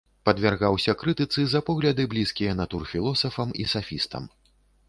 Падвяргаўся крытыцы за погляды, блізкія натурфілосафам і сафістам.